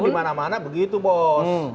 di mana mana begitu bos